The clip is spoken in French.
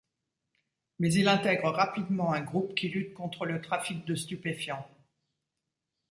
Mais il intègre rapidement un groupe qui lutte contre le trafic de stupéfiants.